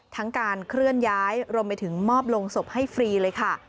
การเคลื่อนย้ายรวมไปถึงมอบลงศพให้ฟรีเลยค่ะ